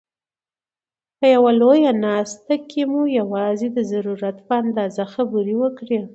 په یوه لویه ناست کښي مو یوازي د ضرورت په اندازه خبري وکړئ!